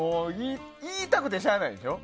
言いたくてしゃあないでしょ？